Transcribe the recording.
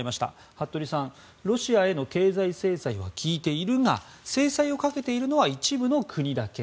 服部さん、ロシアへの経済制裁は効いているが制裁をかけているのは一部の国だけ。